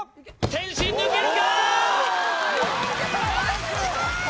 天心抜けるか？